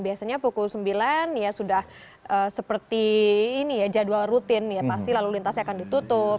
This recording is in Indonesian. biasanya pukul sembilan ya sudah seperti ini ya jadwal rutin ya pasti lalu lintasnya akan ditutup